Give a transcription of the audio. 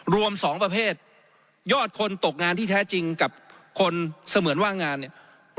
รวม๒ประเภทยอดคนตกงานที่แท้จริงกับคนเสมือนว่างงานเนี่ย